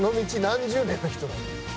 何十年の人なので」